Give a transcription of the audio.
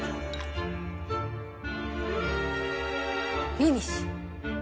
フィニッシュ。